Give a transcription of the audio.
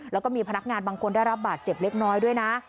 แล้วก็มีพนักงานบางคนได้รับบาดเจ็บเล็กน้อยด้วยนะ